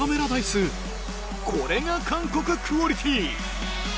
これが韓国クオリティー！